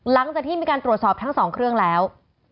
หลังจากที่มีการตรวจสอบทั้ง๒เครื่องแล้ว